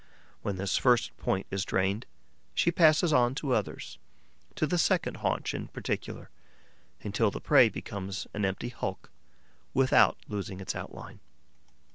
When this first point is drained, she passes on to others, to the second haunch in particular, until the prey becomes an empty hulk without losing its outline.